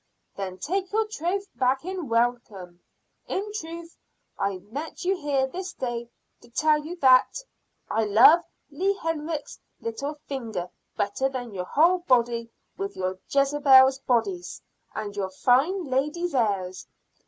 "Then take your troth back in welcome. In truth, I met you here this day to tell you that. I love Leah Herrick's little finger better than your whole body with your Jezebel's bodice, and your fine lady's airs.